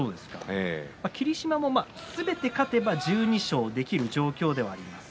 霧島もすべて勝てば１２勝できる状況ではあります。